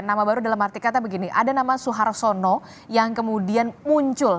nama baru dalam arti kata begini ada nama suharsono yang kemudian muncul